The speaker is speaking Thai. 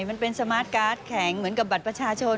มันเป็นสมาร์ทการ์ดแข็งเหมือนกับบัตรประชาชน